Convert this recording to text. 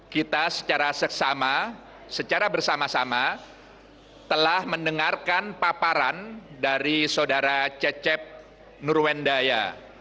kita secara seksama secara bersama sama telah mendengarkan paparan dari saudara cecep nurwendaya